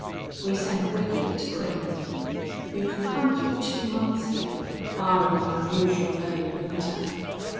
We send regular to Kremmlin'. You can hunt fer two months yet, barrin' an onusual early winter....